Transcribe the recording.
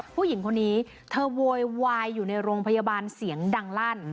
ผู้หญิงคนนี้เธอโวยวายอยู่ในโรงพยาบาลเสียงดังลั่น